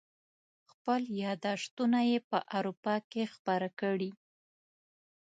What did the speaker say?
خپل یاداشتونه یې په اروپا کې خپاره کړي.